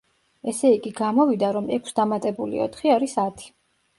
ესე იგი, გამოვიდა, რომ ექვს დამატებული ოთხი არის ათი.